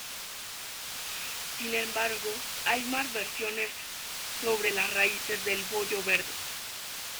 Sin embargo, hay más versiones sobre las raíces del bollo de verde.